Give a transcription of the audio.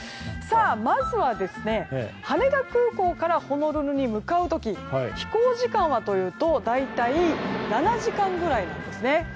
まずは羽田空港からホノルルに向かう時飛行時間はというと大体７時間ぐらいなんですね。